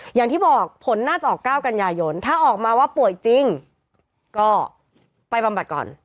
อย่างที่บอกผลน่าจะออก๙กันยายนถ้าออกมาว่าป่วยจริงก็ไปบำบัดก่อน